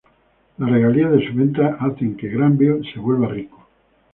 Las regalías de su venta hacen que Granville se vuelva rico.